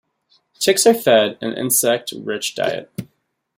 Chicks are fed an insect rich diet.